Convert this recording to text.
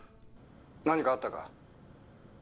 「何かあったか？」